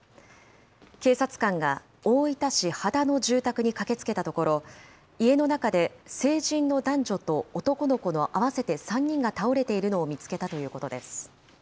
警察官が大分市羽田の住宅に駆けつけたところ、家の中で成人の男女と男の子の合わせて３人が倒れているのを見つけたということです。